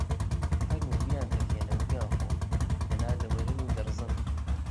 فەرموو بیانتەکێنە و بیانخۆ! دەنا دەوەرن و دەڕزن